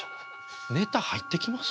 ネタ入ってきます？